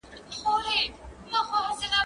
زه پرون پاکوالي وساته،